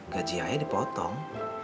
gaji ayah dipotong